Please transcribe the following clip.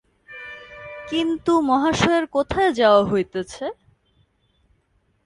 কিন্তু মহাশয়ের কোথায় যাওয়া হইতেছে?